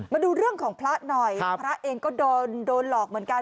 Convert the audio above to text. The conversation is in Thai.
มาดูเรื่องของพระหน่อยพระเองก็โดนโดนหลอกเหมือนกัน